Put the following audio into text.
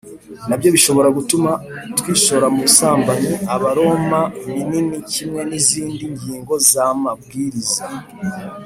na byo bishobora gutuma twishora mu busambanyi Abaroma minini kimwe n izindi ngingo z amabwiriza